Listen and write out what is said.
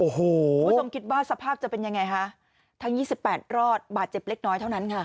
คุณผู้ชมคิดว่าสภาพจะเป็นยังไงคะทั้ง๒๘รอดบาดเจ็บเล็กน้อยเท่านั้นค่ะ